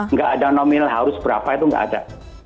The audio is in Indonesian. nggak ada nominal harus berapa itu nggak ada